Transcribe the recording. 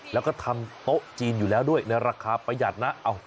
แล้วก็ทำโต๊ะจีนอยู่แล้วด้วยในราคาประหยัดนะ